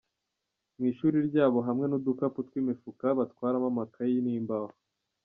Mu ishuri ryabo hamwe n’udukapu tw’imifuka batwaramo amakayi n’imbaho.